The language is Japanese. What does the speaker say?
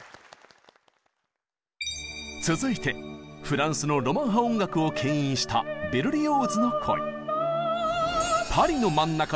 続いてフランスのロマン派音楽をけん引したベルリオーズの恋。